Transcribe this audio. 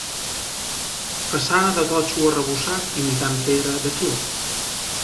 Façana de totxo arrebossat, imitant pedra de fil.